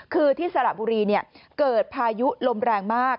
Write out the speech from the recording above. คือที่สระบุรีเกิดพายุลมแรงมาก